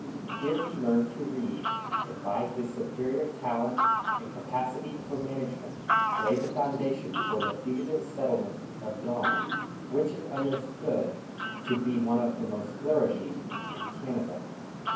Here he learned to read, and, by his superior talent and capacity for management, laid the foundation for the fugitive settlement of Dawn, which is understood to be one of the most flourishing in Canada.